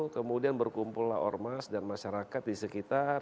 kemudian berkumpul lah ormas dan masyarakat di sekitar